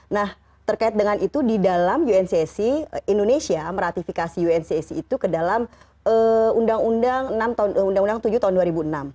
nah terkait dengan itu di dalam uncac indonesia meratifikasi uncac itu ke dalam undang undang tujuh tahun dua ribu enam